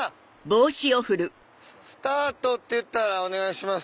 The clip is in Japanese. スタート！って言ったらお願いします。